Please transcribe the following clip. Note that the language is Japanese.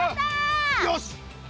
よし！